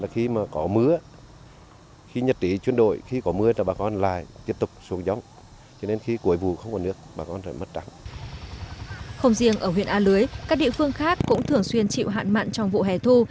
không riêng ở huyện a lưới các địa phương khác cũng thường xuyên chịu hạn mặn trong vụ hè thu